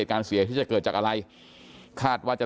อยู่ดีมาตายแบบเปลือยคาห้องน้ำได้ยังไง